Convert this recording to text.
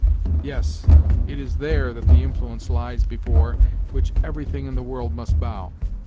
Yes, it is there that the influence lies before which everything in the world must bow!